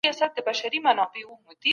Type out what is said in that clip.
دا منفي ده.